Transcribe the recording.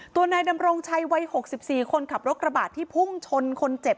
นายดำรงชัยวัย๖๔คนขับรถกระบาดที่พุ่งชนคนเจ็บ